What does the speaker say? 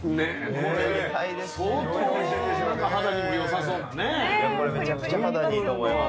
これめちゃくちゃ肌にいいと思いますよ。